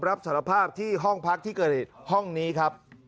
รับสารภาพที่ห้องพักที่เกิดเหตุห้องนี้ครับ